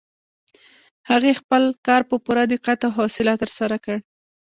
هغې خپل کار په پوره دقت او حوصله ترسره کړ.